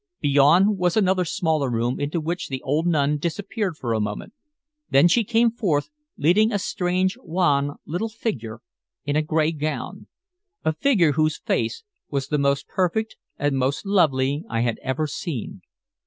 Beyond was another smaller room into which the old nun disappeared for a moment; then she came forth leading a strange wan little figure in a gray gown, a figure whose face was the most perfect and most lovely I had ever seen.